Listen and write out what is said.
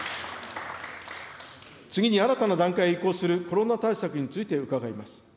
次に新たな段階へ移行するコロナ対策について伺います。